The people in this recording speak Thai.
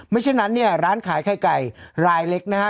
เช่นนั้นเนี่ยร้านขายไข่ไก่ลายเล็กนะฮะ